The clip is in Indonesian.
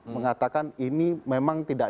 mengatakan ini memang tidak